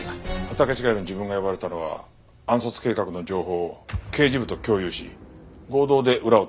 畑違いの自分が呼ばれたのは暗殺計画の情報を刑事部と共有し合同で裏を取るためです。